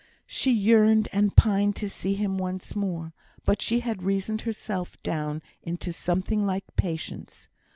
She yearned and pined to see him once more; but she had reasoned herself down into something like patience.